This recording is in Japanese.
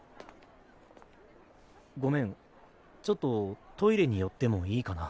ごめんちょっとトイレに寄ってもいいかな？